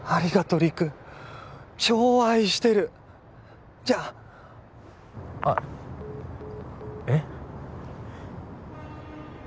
陸超愛してるっじゃああっえっ？